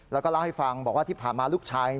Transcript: แล้วก็เล่าให้ฟังบอกว่าที่ผ่านมาลูกชาย